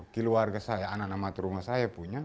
keluarga saya anak anak rumah saya punya